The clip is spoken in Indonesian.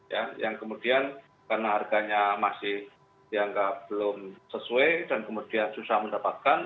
ya yang kemudian karena harganya masih dianggap belum sesuai dan kemudian susah mendapatkan